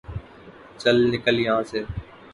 چل نکل یہا سے ـ